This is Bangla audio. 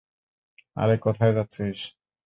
আরে, কোথায় যাচ্ছিস?